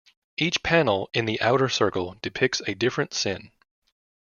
Each panel in the outer circle depicts a different sin.